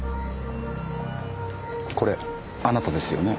これあなたですよね。